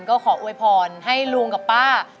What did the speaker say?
ก็ขออวยพรให้ลุงกับป้า